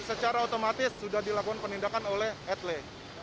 secara otomatis sudah dilakukan penindakan oleh etle